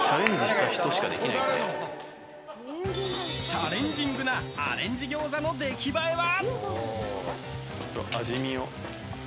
チャレンジングなアレンジギョーザの出来栄えは？